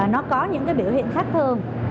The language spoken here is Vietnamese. nó có những biểu hiện khác thường